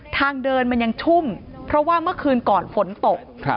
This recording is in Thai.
ทางเดินมันยังชุ่มเพราะว่าเมื่อคืนก่อนฝนตก